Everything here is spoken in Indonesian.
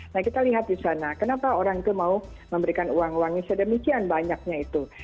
nah kita lihat di sana kenapa orang itu mau memberikan uang uang yang sedemikian banyaknya itu